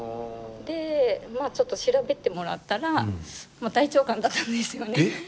でまあちょっと調べてもらったら大腸がんだったんですよね。えっ！？